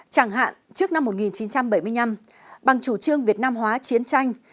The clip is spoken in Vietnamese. chẳng hạn trước năm một nghìn chín trăm bảy mươi năm bằng chủ trương việt nam hóa chiến tranh